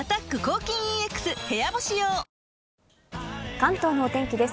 関東のお天気です。